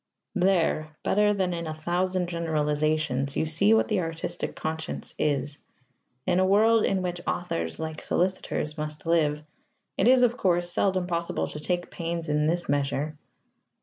There, better than in a thousand generalizations, you see what the artistic conscience is. In a world in which authors, like solicitors, must live, it is, of course, seldom possible to take pains in this measure.